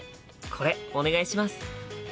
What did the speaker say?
これお願いします！